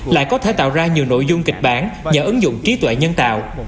lại có thể tạo ra nhiều nội dung kịch bản và ứng dụng trí tuệ nhân tạo